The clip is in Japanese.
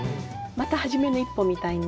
また初めの一歩みたいになって。